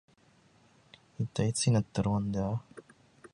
一体いつになったら終わるんだ